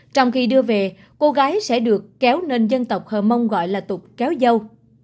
trong khi đưa về cô gái sẽ được kéo nên dân tộc hờ mông gọi là tục kéo dâu